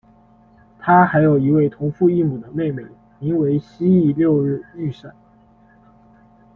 他还有一位同父异母的妹妹，名为蜥蜴六日玉扇。